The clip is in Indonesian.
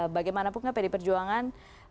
bagaimana mungkin periode perjuangan